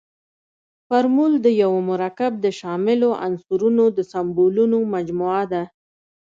فورمول د یوه مرکب د شاملو عنصرونو د سمبولونو مجموعه ده.